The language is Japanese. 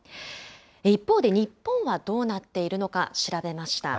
一方で、日本はどうなっているのか、調べました。